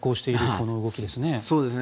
この動きですね。